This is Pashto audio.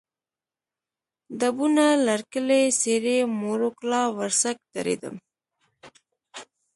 ډبونه، لرکلی، سېرۍ، موړو کلا، ورسک، دړیدم